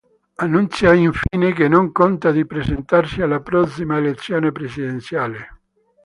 Annuncia infine che non conta di presentarsi alla prossima elezione presidenziale.